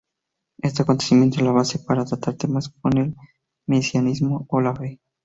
Este acontecimiento es la base para tratar temas como el mesianismo o la fe.